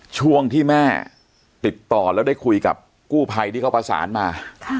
ช่วงที่แม่ติดต่อแล้วได้คุยกับกู้ภัยที่เขาประสานมา